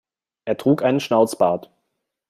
Er trug einen Schnauzbart.